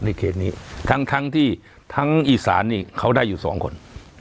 เขตนี้ทั้งทั้งที่ทั้งอีสานนี่เขาได้อยู่สองคน